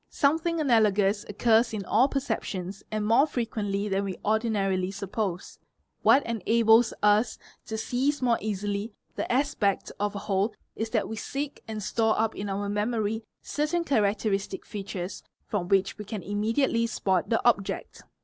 Something analogous occurs in all perceptions and more frequently than we ordinarily suppose: what enables us to seize more easily the 'aspect of a whole is that we seek and store up in our memory certain characteristic features from which we can immediately spot the object.